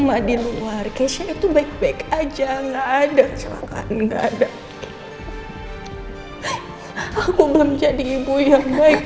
ma di luar kesya itu baik baik aja enggak ada silakan enggak ada aku belum jadi ibu yang baik